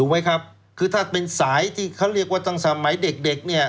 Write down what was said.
ไหมครับคือถ้าเป็นสายที่เขาเรียกว่าตั้งสมัยเด็กเนี่ย